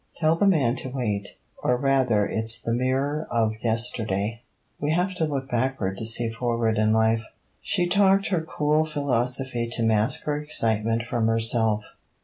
'Tell the man to wait. Or rather it's the mirror of yesterday: we have to look backward to see forward in life.' She talked her cool philosophy to mask her excitement from herself.